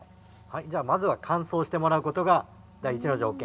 じゃあ、まずは完走してもらうことが第一の条件。